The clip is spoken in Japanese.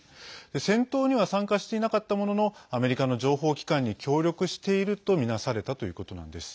戦闘には参加していなかったもののアメリカの情報機関に協力しているとみなされたということなんです。